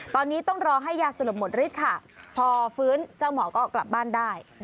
ตอนนี้ต้องรอให้ยาสลบหมดฤทธิ์ค่ะพอฟื้นเจ้าหมอก็กลับบ้านได้